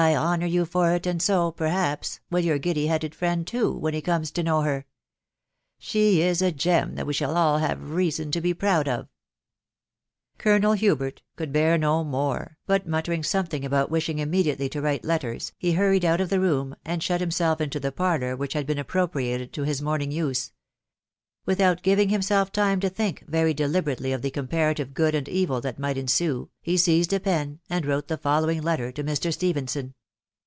.* honour ^ou te Si, «A> *fc, ^mb^ "HI your giddy headed friend too, fjtea W (»m»\BWW 8e ib « gem that we shall •& \iw ■■«^ V9^* THE WIDOW BARNABY* 449 Colonel Hubert could bear no more, but muttering some thing about wishing immediately to write letters, he hurried out of the room, and shut himself into the parlour which had been appropriated to his morning use. Without giving him self time to think very deliberately of the comparative good and evil that might ensue, he seized a pen, and wrote the following letter to Mr. Stephenson.